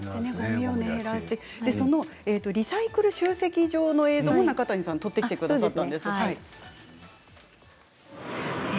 そのリサイクル集積場の映像も中谷さん撮ってきてくれました。